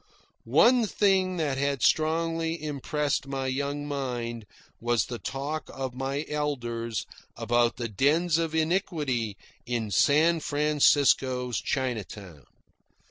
One thing that had strongly impressed my young mind was the talk of my elders about the dens of iniquity in San Francisco's Chinatown.